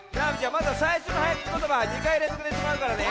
まずはさいしょのはやくちことばは２かいれんぞくでいってもらうからね。